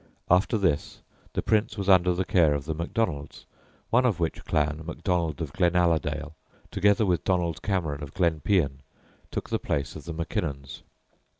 After this the Prince was under the care of the Macdonalds, one of which clan, Macdonald of Glenaladale, together with Donald Cameron of Glenpean, took the place of the Mackinnons.